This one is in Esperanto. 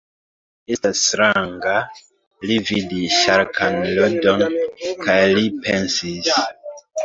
Estas stranga. Li vidis ŝarkan ludon, kaj li pensis: